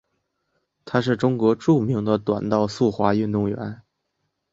她是中国著名的短道速滑运动员。